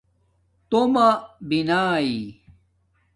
توما بناݵ